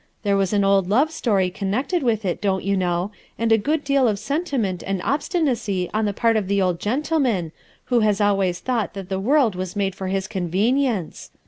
There was an old love story connected with it, don't you know, and a good deal of sentiment and obstinacy on the part of the old gentleman, who has always thought that the world was made for his convenience.